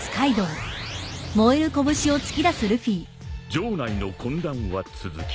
［城内の混乱は続き］